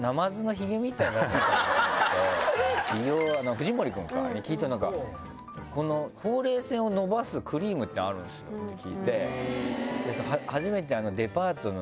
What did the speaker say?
藤森君に聞いたら「ほうれい線をのばすクリームってあるんすよ」って聞いて初めて。